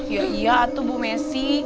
ya iya atau bu messi